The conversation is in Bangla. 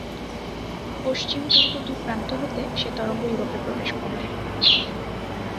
পশ্চিম পূর্ব দুপ্রান্ত হতে সে তরঙ্গ ইউরোপে প্রবেশ করলে।